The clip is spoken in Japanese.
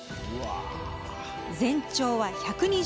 全長は１２０ｍ。